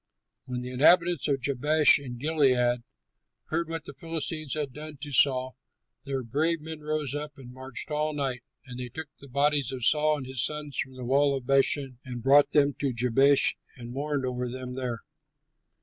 When the inhabitants of Jabesh in Gilead heard what the Philistines had done to Saul, their brave men rose up and marched all night, and they took the bodies of Saul and his sons from the wall of Bethshan and brought them to Jabesh and mourned over them there.